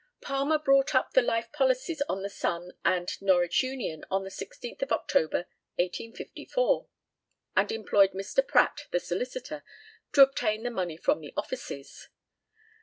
Palmer brought up the life policies on the Sun and Norwich Union on the 16th of October, 1854, and employed Mr. Pratt, the solicitor, to obtain the money from the offices.